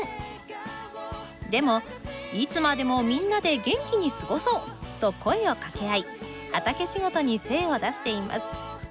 でも「いつまでもみんなで元気に過ごそう！」と声をかけ合い畑仕事に精を出しています。